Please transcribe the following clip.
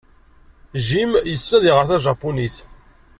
Jim yessen ad iɣer tajapunit.